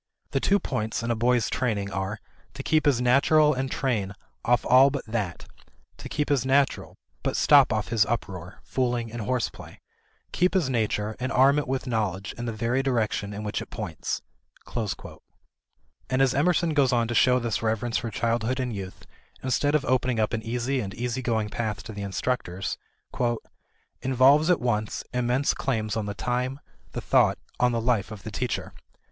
The two points in a boy's training are, to keep his naturel and train off all but that; to keep his naturel, but stop off his uproar, fooling, and horseplay; keep his nature and arm it with knowledge in the very direction in which it points." And as Emerson goes on to show this reverence for childhood and youth instead of opening up an easy and easy going path to the instructors, "involves at once, immense claims on the time, the thought, on the life of the teacher.